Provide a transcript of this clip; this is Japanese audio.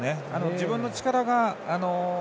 自分の力が。